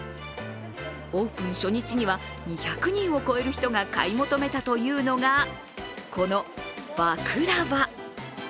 オープン初日には２００人を超える人が買い求めたというのがこのバクラヴァ。